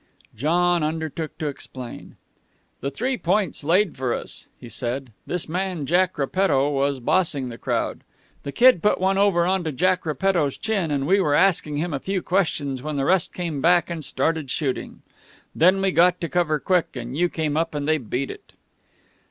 John undertook to explain. "The Three Points laid for us," he said. "This man, Jack Repetto, was bossing the crowd. The Kid put one over on to Jack Repetto's chin, and we were asking him a few questions when the rest came back, and started shooting. Then we got to cover quick, and you came up and they beat it."